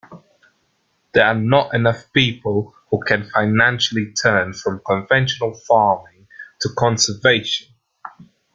There are not enough people who can financially turn from conventional farming to conservation.